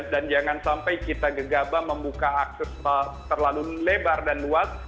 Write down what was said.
dan jangan sampai kita gegabah membuka akses terlalu lebar dan luas